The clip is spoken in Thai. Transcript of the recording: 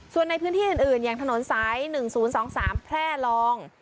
ส่วนในพื้นที่อื่นอย่างถนนสาย๑๐๒๓แพร่ลอง